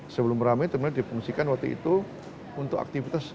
sebelum rame sebenarnya dipungsikan waktu itu untuk aktivitas